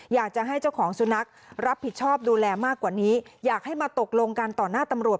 อยากจะให้เจ้าของสุนัขรับผิดชอบดูแลมากกว่านี้อยากให้มาตกลงกันต่อหน้าตำรวจ